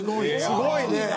すごいね。